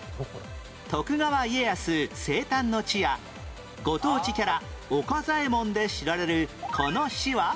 徳川家康生誕の地やご当地キャラオカザえもんで知られるこの市は？